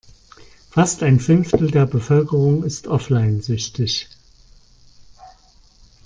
Fast ein Fünftel der Bevölkerung ist offline-süchtig.